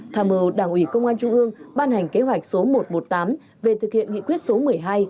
tham mưu đảng ủy công an trung ương ban hành kế hoạch số một trăm một mươi tám về thực hiện nghị quyết số một mươi hai